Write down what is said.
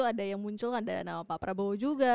ada yang muncul ada nama pak prabowo juga